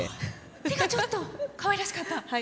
手がちょっとかわいらしかった。